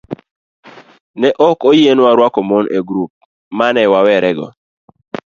ne ok oyienwa rwako mon e grup ma ne wawerego.